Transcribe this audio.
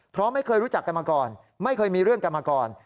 เพราะไม่เคยรู้จักกันมาก่อนไม่เคยมีเรื่องกันมาก่อน